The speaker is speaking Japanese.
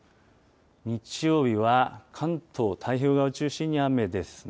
日曜日は、関東、太平洋側を中心に雨ですね。